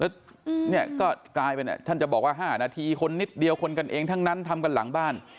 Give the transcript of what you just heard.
ฉันจะบอกว่า๕นาทีคนนิดเดียวคนกันเองทั้งนั้นทำกันหลังบ้าน